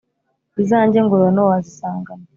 izanjye ngororano wazisanganwa.